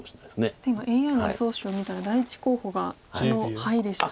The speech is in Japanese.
そして今ＡＩの予想手を見たら第１候補があのハイでした。